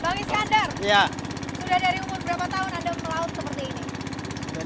bang iskandar sudah dari umur berapa tahun anda melawat